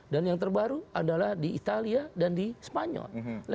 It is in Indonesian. dan yang terbaru adalah di italia dan di spanyol